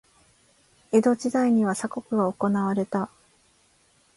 江戸時代には鎖国が行われた。